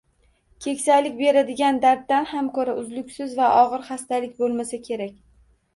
Keksalik beradigan darddan ham ko’ra uzluksiz va og’ir xastalik bo’lmasa kerak.